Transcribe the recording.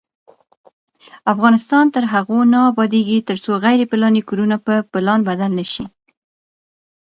افغانستان تر هغو نه ابادیږي، ترڅو غیر پلاني کورونه په پلان بدل نشي.